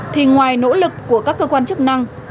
thì ngoài nỗ lực của các cơ quan chức năng